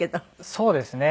そうですね。